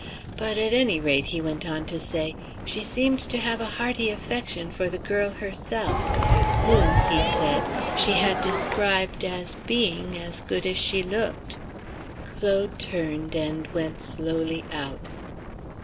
"But at any rate," he went on to say, "she seemed to have a hearty affection for the girl herself, whom," he said, "she had described as being as good as she looked." Claude turned and went slowly out.